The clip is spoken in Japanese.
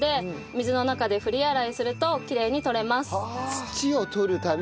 土を取るために。